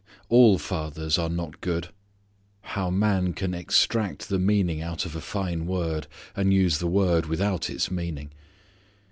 All fathers are not good. How man can extract the meaning out of a fine word, and use the word without its meaning.